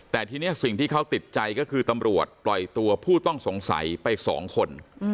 แต่ทีนี้สิ่งที่เขาติดใจก็คือตำรวจปล่อยตัวผู้ต้องสงสัยไป๒คน